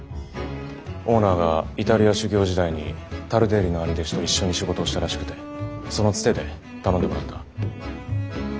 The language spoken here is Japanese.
オーナーがイタリア修業時代にタルデッリの兄弟子と一緒に仕事をしたらしくてそのツテで頼んでもらった。